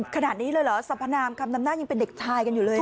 ขนาดนี้เลยเหรอสัพพนามคำนำหน้ายังเป็นเด็กชายกันอยู่เลย